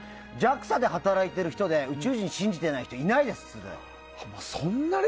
ＪＡＸＡで働いている人で宇宙人を信じていない人いないですって。